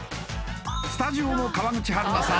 スタジオの川口春奈さん